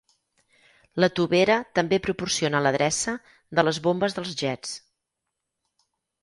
La tovera també proporciona l'adreça de les bombes dels jets.